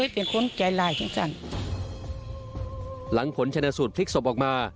พลิกศพออกมา